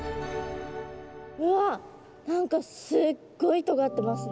うわ何かすっごいとがってますね。